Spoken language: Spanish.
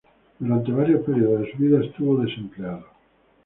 Durante varios períodos de su vida estuvo desempleado.